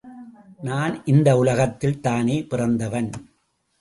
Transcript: நான் இந்த உலகத்தில் தானே பிறந்தவன்?